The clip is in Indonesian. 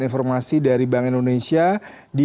informasi dari bank indonesia di